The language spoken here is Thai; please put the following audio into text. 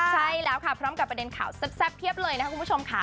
ใช่แล้วค่ะพร้อมกับประเด็นข่าวแซ่บเพียบเลยนะครับคุณผู้ชมค่ะ